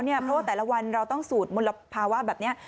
เพราะว่าแต่ละวันเราต้องสูดมลภาวะแบบนี้